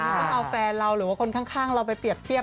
ต้องเอาแฟนเราหรือว่าคนข้างเราไปเปรียบเทียบ